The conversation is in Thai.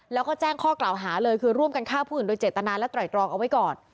แล้วก็แจ้งข้อกล่าวหาเลยคือร่วมกันฆ่าผู้อื่นโดยเจตนาและไตรตรองเอาไว้ก่อน